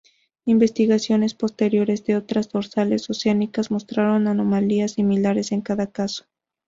Investigaciones posteriores de otras dorsales oceánicas mostraron anomalías similares en cada caso.